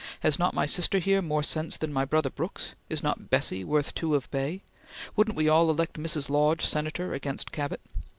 "Has not my sister here more sense than my brother Brooks? Is not Bessie worth two of Bay? Wouldn't we all elect Mrs. Lodge Senator against Cabot?